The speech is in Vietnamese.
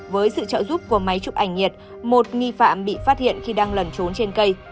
với sự trợ giúp của máy chụp ảnh nhiệt một nghi phạm bị phát hiện khi đang lẩn trốn trên cây